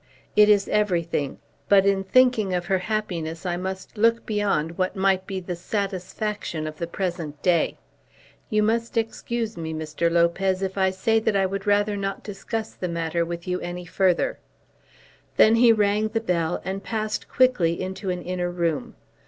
"It is everything. But in thinking of her happiness I must look beyond what might be the satisfaction of the present day. You must excuse me, Mr. Lopez, if I say that I would rather not discuss the matter with you any further." Then he rang the bell and passed quickly into an inner room.